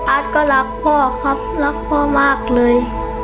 ก็รักพ่อครับรักพ่อมากเลย